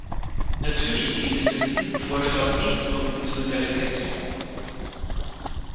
Natürlich geht es bei diesem Vorschlag nicht nur um den Solidaritätsfonds.